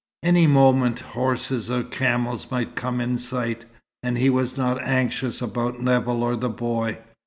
Any moment horses or camels might come in sight; and he was not anxious about Nevill or the boy.